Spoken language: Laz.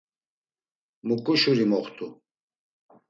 Muǩu şuri moxtu?